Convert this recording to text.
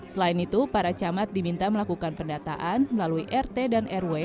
selain itu para camat diminta melakukan pendataan melalui rt dan rw